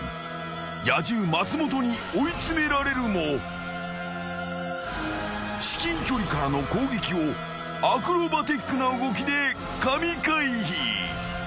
［野獣松本に追いつめられるも至近距離からの攻撃をアクロバティックな動きで神回避］